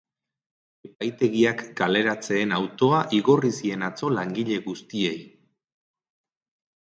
Epaitegiak kaleratzeen autoa igorri zien atzo langile guztiei.